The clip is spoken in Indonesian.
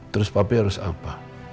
terus papi harus apa